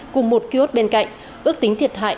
cùng một kiosk bên cạnh ước tính thiệt hại